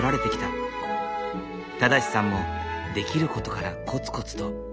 正さんもできることからコツコツと。